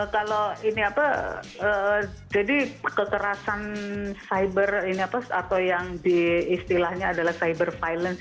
kalau ini apa jadi kekerasan cyber ini apa atau yang diistilahnya adalah cyber violence